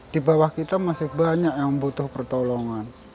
di bawah kita masih banyak yang butuh pertolongan